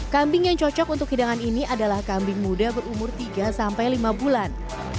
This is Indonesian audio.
kambing yang cocok untuk hidangan ini adalah kambing muda berumur tiga sampai lima bulan